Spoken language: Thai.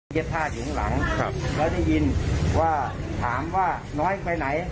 เย็บผ้าอยู่ข้างหลังครับแล้วได้ยินว่าถามว่าน้อยไปไหน